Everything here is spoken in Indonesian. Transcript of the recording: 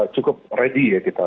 cukup ready ya kita